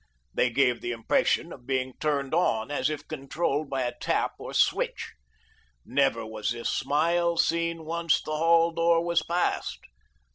They gave the impression of being turned on, as if controlled by a tap or switch. Never was this smile seen once the hall door was passed.